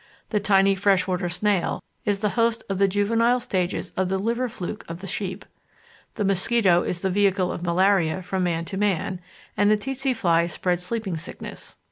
The tiny freshwater snail is the host of the juvenile stages of the liver fluke of the sheep. The mosquito is the vehicle of malaria from man to man, and the tse tse fly spreads sleeping sickness.